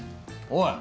おい！